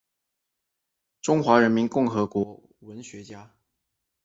中华人民共和国文学家。